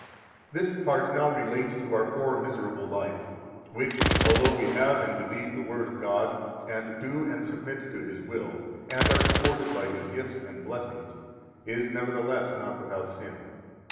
86 This part now relates to our poor miserable life, which, although we have and believe the Word of God, and do and submit to His will, and are supported by His gifts and blessings, is nevertheless not without sin.